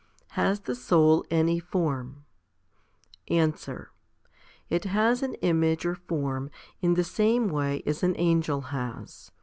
Has the soul any form ? Answer. It has an image or form in the same way as an angel has.